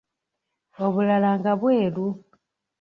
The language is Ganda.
Obulala nga bweru.